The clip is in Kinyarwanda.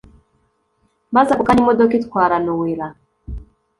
maze ako kanya imodoka itwara nowela.